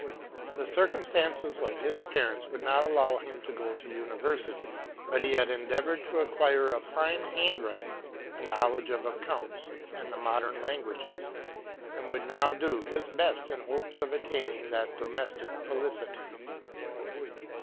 'The circumstances of his parents would not allow him to go to universities ; but he had endeay ored to acquire a fine handwriting, a knowledge of accounts and the modern languages, and would now do his best in hopes of attaining that domestic felicity.